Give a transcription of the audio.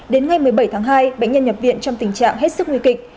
đến ngày một mươi bảy tháng hai bệnh nhân nhập viện trong tình trạng hết sức nguy kịch